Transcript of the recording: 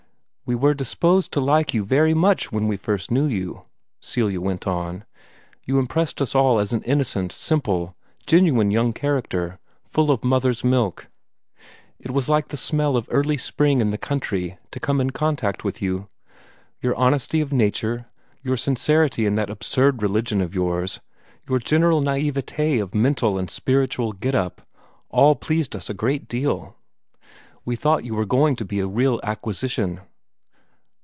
"We were disposed to like you very much when we first knew you," Celia went on. "You impressed us as an innocent, simple, genuine young character, full of mother's milk. It was like the smell of early spring in the country to come in contact with you. Your honesty of nature, your sincerity in that absurd religion of yours, your general NAIVETE of mental and spiritual get up, all pleased us a great deal. We thought you were going to be a real acquisition."